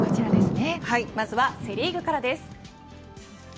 まずはセ・リーグからです。